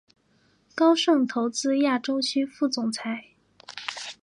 高盛投资亚洲区副总裁。